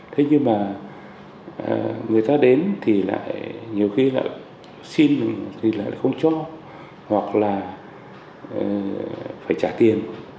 thế nhưng mà người ta đến thì lại nhiều khi là xin thì lại không cho hoặc là phải trả tiền